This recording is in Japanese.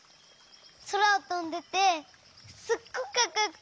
そらをとんでてすっごくかっこよくて。